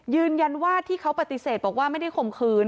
ยืนยันว่าที่เขาปฏิเสธบอกว่าไม่ได้ข่มขืน